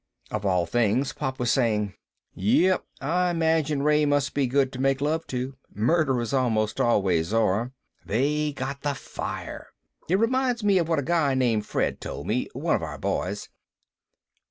Of all things, Pop was saying, "Yep, I imagine Ray must be good to make love to, murderers almost always are, they got the fire. It reminds me of what a guy named Fred told me, one of our boys